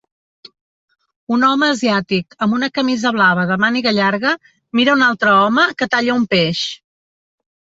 Un home asiàtic amb una camisa blava de màniga llarga mira un altre home que talla un peix.